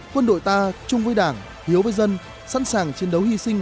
quân đội ta chung với đảng hiếu với dân sẵn sàng chiến đấu hy sinh